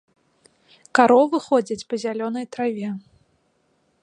Каровы ходзяць па зялёнай траве.